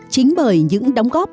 chính bởi những đóng góp